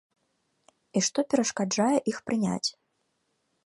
І што перашкаджае іх прыняць?